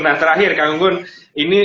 nah terakhir kang gunggun ini